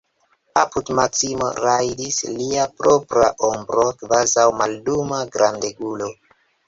Apud Maksimo rajdis lia propra ombro, kvazaŭ malluma grandegulo.